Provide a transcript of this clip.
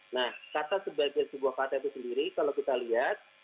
nah kata sebagai sebuah kata itu sendiri kalau kita lihat